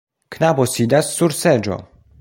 Knabo sidas sur seĝo.